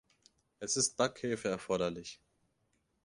Es ist Backhefe erforderlich.